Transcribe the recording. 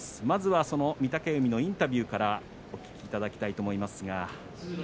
まずは御嶽海のインタビューからお聞きいただきたいと思います。